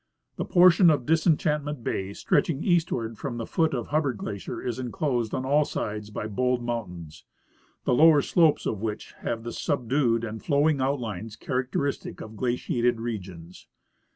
The portion of Disenchantment bay stretching eastward from the foot of Hubbard glacier is enclosed on all sides by bold mountains, the lower slopes of Avhich have the subdued and flowing outlines characteristic of glaciated regions.